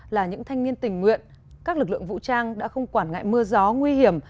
là những thanh niên tình nguyện các lực lượng vũ trang đã không quản ngại mưa gió nguy hiểm